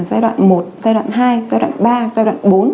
giai đoạn một giai đoạn hai giai đoạn ba giai đoạn bốn